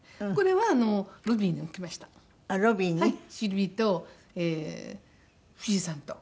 はい。